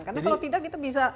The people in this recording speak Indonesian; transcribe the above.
karena kalau tidak kita bisa